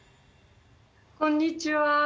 こんにちは。